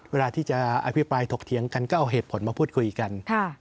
เวลาที่จะอภิปรายถกเถียงกันก็เอาเหตุผลมาพูดคุยกัน